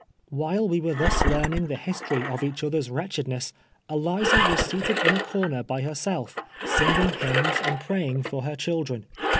While we were thus learning the history of each other's Avretchedness, Eliza was seated in a corner by herself, singing hymns and praying for her children.